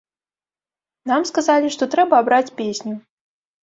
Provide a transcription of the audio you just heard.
Нам сказалі, што трэба абраць песню.